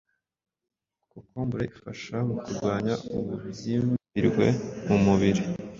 Kokombure ifasha mu kurwanya ububyimbirwe mu mubiri,